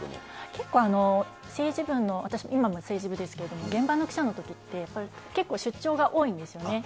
結構、政治部の、今も政治部ですけど、現場の記者のときって、結構出張が多いんですね。